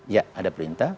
ya ada perintah